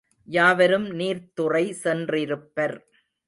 யாவரும் நீர்த்துறை சென்றிருப்பர்.